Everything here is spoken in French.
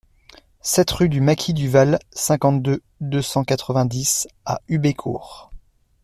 sept rue du Maquis du Val, cinquante-deux, deux cent quatre-vingt-dix à Humbécourt